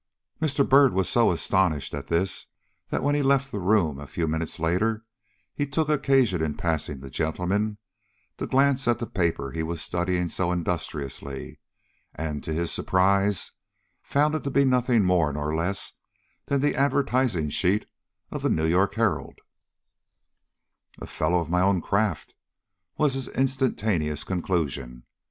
Mr. Byrd was so astonished at this that when he left the room a few minutes later he took occasion in passing the gentleman, to glance at the paper he was studying so industriously, and, to his surprise, found it to be nothing more nor less than the advertising sheet of the New York Herald. "A fellow of my own craft," was his instantaneous conclusion.